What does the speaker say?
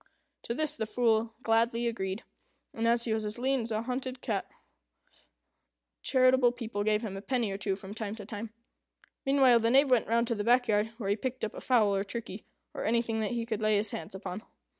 To this the Fool gladly agreed; and as he was as lean as a hunted cat, charitable people gave him a penny or two from time to time. Meanwhile, the Knave went round to the back yard, where he picked up a fowl, or turkey, or anything that he could lay his hands upon.